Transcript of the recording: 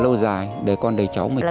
là lâu dài để con đầy cháu mình